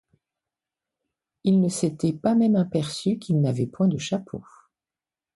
Il ne s’était pas même aperçu qu’il n’avait point de chapeau.